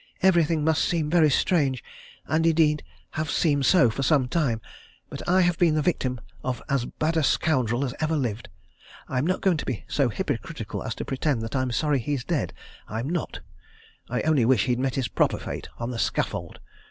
"Everything must seem very strange, and indeed have seemed so for some time. But I have been the victim of as bad a scoundrel as ever lived I'm not going to be so hypocritical as to pretend that I'm sorry he's dead I'm not! I only wish he'd met his proper fate on the scaffold.